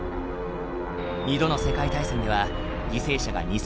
２度の世界大戦では犠牲者が２，５００万